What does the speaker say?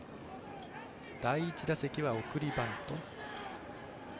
第１打席は送りバント。